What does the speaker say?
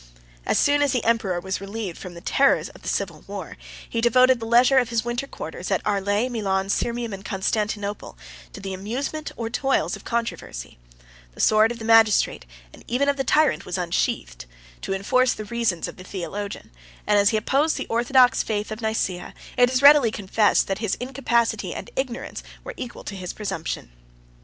92 As soon as the emperor was relieved from the terrors of the civil war, he devoted the leisure of his winter quarters at Arles, Milan, Sirmium, and Constantinople, to the amusement or toils of controversy: the sword of the magistrate, and even of the tyrant, was unsheathed, to enforce the reasons of the theologian; and as he opposed the orthodox faith of Nice, it is readily confessed that his incapacity and ignorance were equal to his presumption.